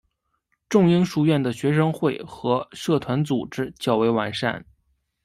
仲英书院的学生会和社团组织较为完善。